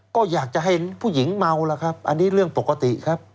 ก็อยากจะให้ผู้หญิงเมาล่ะครับอันนี้เรื่องปกติครับ